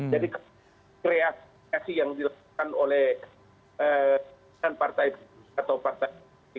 jadi kreasi yang dilakukan oleh partai partai politik